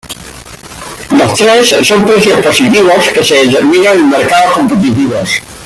Los tres son precios positivos que se determinan en mercados competitivos.